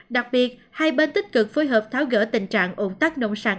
đặc biệt hai bên tích cực phối hợp tháo gỡ tình trạng ổn tắc nông sàng